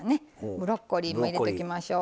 ブロッコリーも入れときましょう。